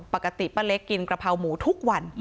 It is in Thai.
ปกติป้าเล็กกินกระเพราหมูทุกวัน